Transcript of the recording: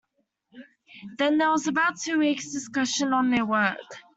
Then there was about two weeks discussion on their work.